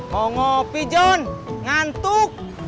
mau ngopi john ngantuk